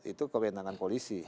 itu kewenangan polisi